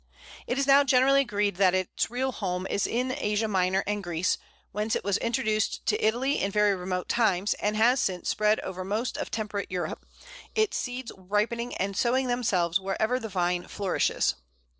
It is now generally agreed that its real home is in Asia Minor and Greece, whence it was introduced to Italy in very remote times, and has since spread over most of temperate Europe, its seeds ripening and sowing themselves wherever the vine flourishes.